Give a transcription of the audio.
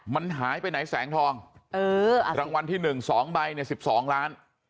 มันหายไปไหนแสงทองเออรางวัลที่หนึ่งสองใบเนี่ยสิบสองล้าน